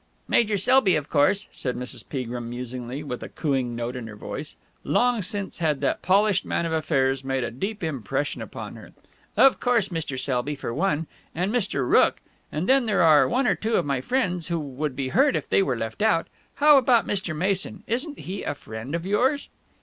"Major Selby, of course," said Mrs. Peagrim musingly, with a cooing note in her voice. Long since had that polished man of affairs made a deep impression upon her. "Of course Major Selby, for one. And Mr. Rooke. Then there are one or two of my friends who would be hurt if they were left out. How about Mr. Mason? Isn't he a friend of yours?"